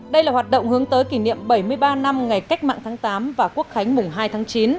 đây là hoạt động hướng tới kỷ niệm bảy mươi ba năm ngày cách mạng tháng tám và quốc khánh mùng hai tháng chín